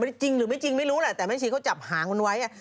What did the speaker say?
จริงหรือไม่จริงไม่รู้แหละแต่แม่ชีเขาจับหางมันไว้